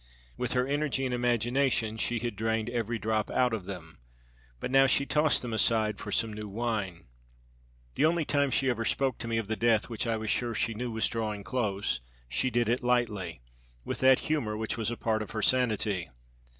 With her energy and imagination she had drained every drop out of them, but now she tossed them aside for some new wine. The only time she ever spoke to me of the death which I was sure she knew was drawing close, she did it lightly, with that humor which was a part of her sanity.